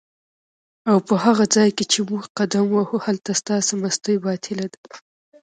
اوپه هغه ځای کی چی موږ قدم وهو هلته ستاسو مستی باطیله ده